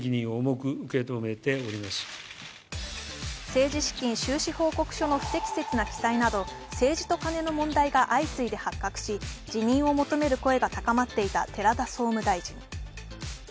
政治資金収支報告書の不適切な記載など政治とカネの問題が相次いで発覚し、辞任を求める声が高まっていた寺田総務大臣。